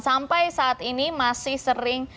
sampai saat ini masih sering